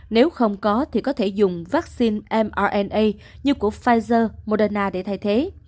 nếu không có thì có thể dùng vaccine m như của pfizer moderna để thay thế